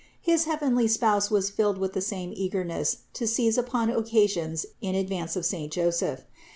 His heavenly Spouse was filled with the same eagerness to seize upon occasions in advance of saint Joseph.